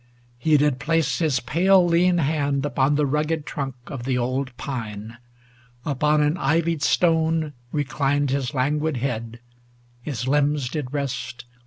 He did place His pale lean hand upon the rugged trunk Of the old pine; upon an ivied stone Reclined his languid head; his limbs did rest.